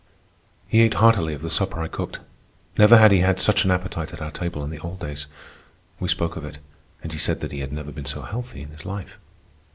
He ate heartily of the supper I cooked. Never had he had such an appetite at our table in the old days. We spoke of it, and he said that he had never been so healthy in his life.